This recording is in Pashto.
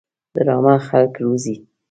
ډرامه خلک روزي